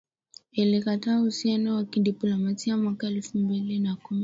ilikata uhusiano wa kidiplomasia mwaka elfu mbili na kumi na sita baada ya Saudi Arabia